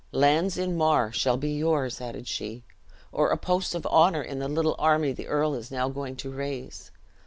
"Lands in Mar shall be yours," added she, "or a post of honor in the little army the earl is now going to raise.